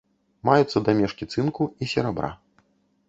Маюцца дамешкі цынку і серабра.